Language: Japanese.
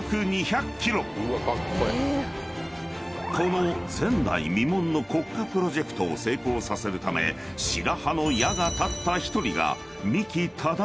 ［この前代未聞の国家プロジェクトを成功させるため白羽の矢が立った１人が］